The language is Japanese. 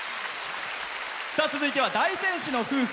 続いては大仙市の夫婦。